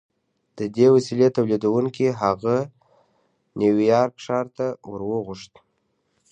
د دې وسیلې تولیدوونکي هغه نیویارک ښار ته ور وغوښت